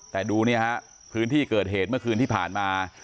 แต่ดูเนี่ยฮะพื้นที่เกิดเหตุเมื่อคืนที่ผ่านมา